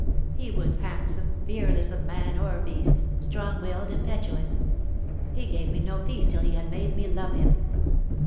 He was handsome, fearless of man or beast, strong willed, impetuous. He gave me no peace till he had made me love him.